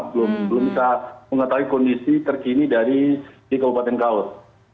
belum bisa mengetahui kondisi terkini di kabupaten kaur